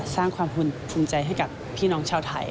สร้างความภูมิใจให้กับพี่น้องชาวไทย